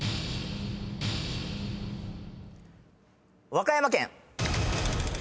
和歌山県。